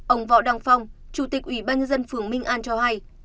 ông võ đăng phong chủ tịch ủy ban nhân dân phường minh an cho hay